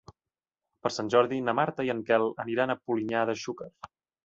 Per Sant Jordi na Marta i en Quel aniran a Polinyà de Xúquer.